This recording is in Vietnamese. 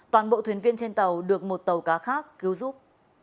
toàn bộ thuyền viên trên tàu được một tàu cá khác cứu giúp